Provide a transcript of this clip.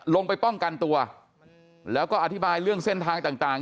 ลงไปป้องกันตัวแล้วก็อธิบายเรื่องเส้นทางต่าง